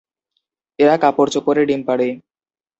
এরা কাপড়-চোপড়ে ডিম পাড়ে।